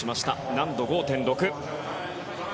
難度５．６。